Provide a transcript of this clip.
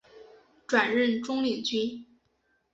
转任中领军。